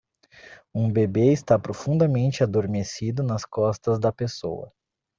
Um bebê está profundamente adormecido nas costas da pessoa.